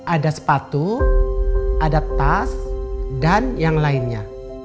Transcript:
ada sepatu ada tas dan yang lainnya